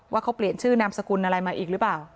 ว่าเขาเปลี่ยนชื่อนามสกุลอะไรมาอีกหรือเปล่า